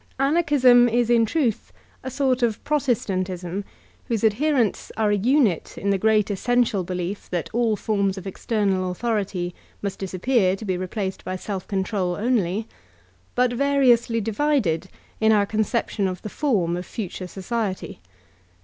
Anarchism is, in truth, a sort of Protestantism, whose adherents are a unit in the great essential belief that all fornix of external authority must 158 VOLTAUUNB K CtCRB « disappear to be replaced by self control only, but vari ously divided in our conception of the form of future socidty.